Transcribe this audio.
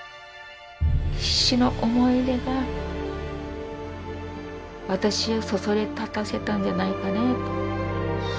必死の思い入れが私をそそり立たせたんじゃないかなと。